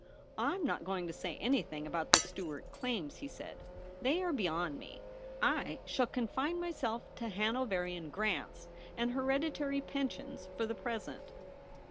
' I'm not going to say anything about the Stuart claims,' he said, ' they are beyond me. I shall confine myself to Hanoverian grants and hereditary pensions for the present.'